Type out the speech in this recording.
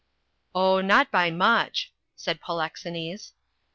"Oh, not by much," said Polixenes.